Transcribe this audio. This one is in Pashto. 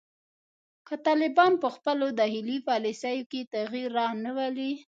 که طالبان په خپلو داخلي پالیسیو کې تغیر رانه ولي